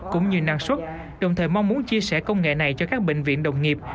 cũng như năng suất đồng thời mong muốn chia sẻ công nghệ này cho các bệnh viện đồng nghiệp